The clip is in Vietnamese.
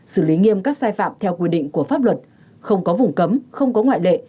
xử lý nghiêm các sai phạm theo quy định của pháp luật không có vùng cấm không có ngoại lệ